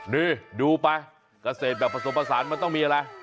นี่ดูไปเกษตรแบบผสมผสานมันต้องมีอะไร